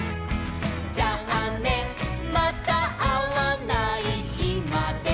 「じゃあねまたあわないひまで」